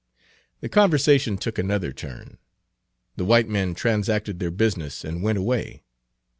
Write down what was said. The conversation took another turn. The white men transacted their business and went away.